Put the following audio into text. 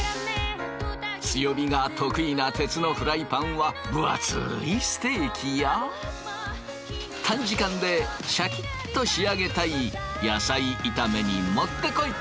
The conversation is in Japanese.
強火が得意な鉄のフライパンは分厚いステーキや短時間でシャキッと仕上げたい野菜炒めにもってこい！